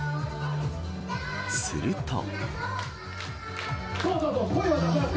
すると。